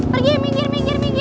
pergi minggir minggir minggir